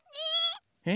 え？